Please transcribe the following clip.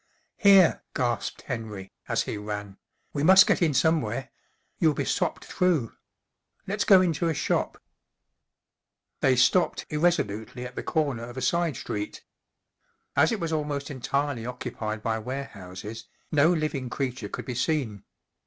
" Here/' gasped Henry, as he ran, 11 we must get in somewhere; you'll be sopped through. Lets go into a shop.'* They stopped irresolutely at the corner of a side street. As it w a s almost entirely occupied by warehouses no living creature could be seen.